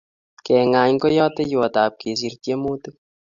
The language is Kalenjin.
Kengany ko yateiywotap kesir tiemutik